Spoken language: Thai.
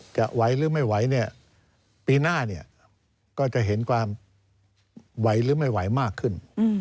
ไหวหรือไม่ไหวเนี่ยปีหน้าเนี่ยก็จะเห็นความไหวหรือไม่ไหวมากขึ้น